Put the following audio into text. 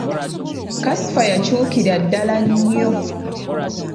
Kasifa yakyukira ddala nnyo.